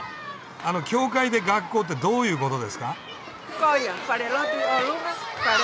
あの「教会で学校」ってどういうことですか？